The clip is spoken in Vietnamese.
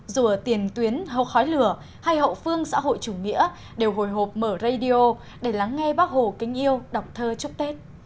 dù ở tiền tuyến hầu khói lửa hay hậu phương xã hội chủ nghĩa đều hồi hộp mở radio để lắng nghe bác hồ kinh yêu đọc thơ chúc tết